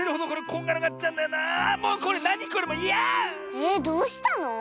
えっどうしたの？